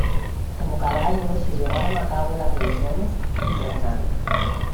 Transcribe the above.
Como cada año se llevaron a cabo las reuniones invernales.